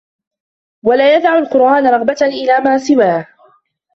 وَلَا يَدَعُ الْقُرْآنَ رَغْبَةً إلَى مَا سِوَاهُ